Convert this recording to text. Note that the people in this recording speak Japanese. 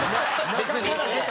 別に。